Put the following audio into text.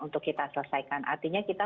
untuk kita selesaikan artinya kita